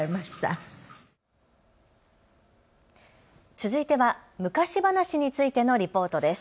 続いては昔話についてのリポートです。